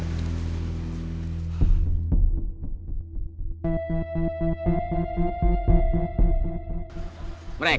terima kasih pak